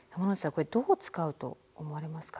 これどう使うと思われますか？